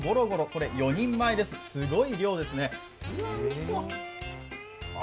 これ４人前です、すごい量ですね。